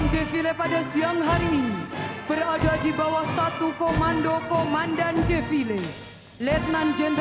jalan jalan men